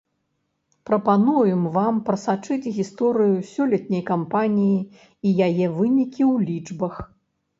Прапануем вам прасачыць гісторыю сёлетняй кампаніі і яе вынікі ў лічбах.